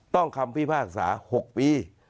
ต้องคำพิพากษา๖ปี